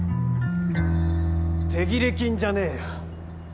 手切れ金じゃねよ。